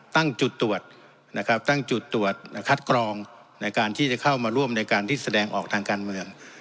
ตั้งจุดตรวจนะครับตั้งจุดตรวจคัดกรองในการที่จะเข้ามาร่วมในการที่แสดงออกทางการเมือง